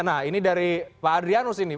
nah ini dari pak adrianus ini